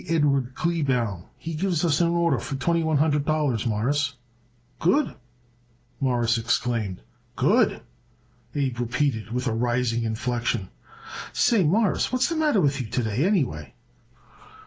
Edward Kleebaum. He gives us an order for twenty one hundred dollars, Mawruss." "Good!" Morris exclaimed. "Good?" Abe repeated with a rising inflection. "Say, Mawruss, what's the matter with you to day, anyway?"